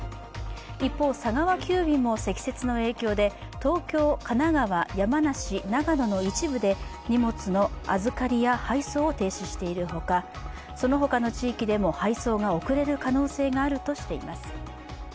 一方、佐川急便も積雪の影響で東京、神奈川、山梨、長野の一部で荷物の預かりや配送を停止しているほかその他の地域でも配送が遅れる可能性があるとしています。